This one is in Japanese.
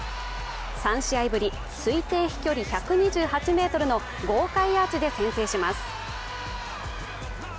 ３試合ぶり、推定飛距離１２８ｍの豪快アーチで先制します。